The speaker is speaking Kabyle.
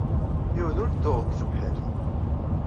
Yiwen ur t-tuɣ deg tebḥirt.